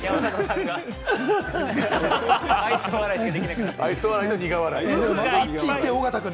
愛想笑いしかできなくなってる。